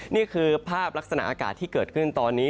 นี่คือภาพลักษณะอากาศที่เกิดขึ้นตอนนี้